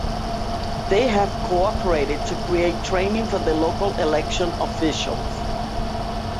They have cooperated to create training for the local election officials.